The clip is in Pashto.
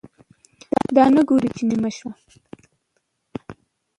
دا نه ګوري چې نیمه شپه ده،